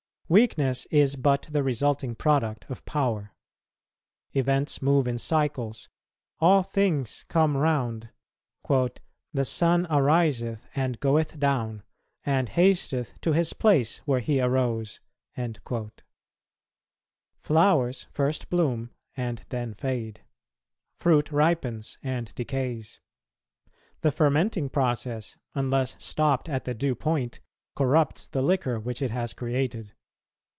Weakness is but the resulting product of power. Events move in cycles; all things come round, "the sun ariseth and goeth down, and hasteth to his place where he arose." Flowers first bloom, and then fade; fruit ripens and decays. The fermenting process, unless stopped at the due point, corrupts the liquor which it has created.